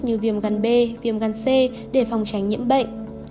như viêm gan b viêm gan c để phòng tránh nhiễm bệnh